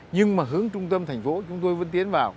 nhưng mà hướng trung tâm thành phố chúng tôi vẫn tiến vào